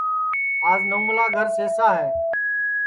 آج نوملا گھرا سئسا ہے